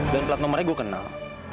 dan plat nomernya gue kenal